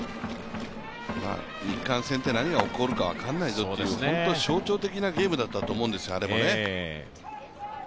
日韓戦って何が起こるか分からないぞという、本当に象徴的なゲームだったと思うんです、あれもね。